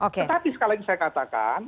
tetapi sekali lagi saya katakan